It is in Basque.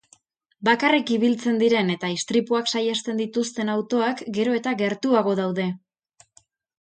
Bakarrik ibiltzen diren eta istripuak saihesten dituzten autoak gero eta gertuago daude.